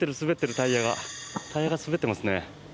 タイヤが滑ってますね。